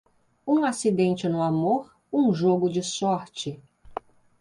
Um acidente no amor, um jogo de sorte.